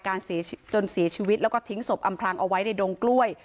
การเสียชีวิตจนเสียชีวิตแล้วก็ทิ้งศพอำพลังเอาไว้ในดงกล้วย